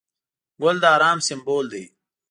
ګل د ارام سمبول دی.